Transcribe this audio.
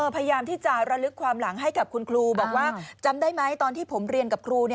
พยายามที่จะระลึกความหลังให้กับคุณครูบอกว่าจำได้ไหมตอนที่ผมเรียนกับครู